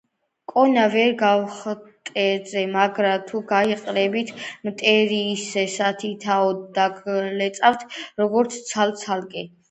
კონა ვერ გავტეხე; მაგრამ თუ გაიყრებით, მტერი ისე სათითაოდ დაგლეწავთ, როგორც ცალ-ცალკე